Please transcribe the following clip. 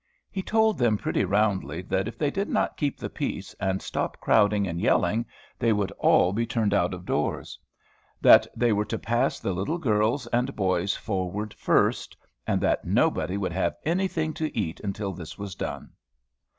He told them pretty roundly that if they did not keep the peace, and stop crowding and yelling, they should all be turned out of doors; that they were to pass the little girls and boys forward first, and that nobody would have any thing to eat till this was done.